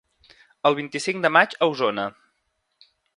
El vint-i-cinc de maig a Osona.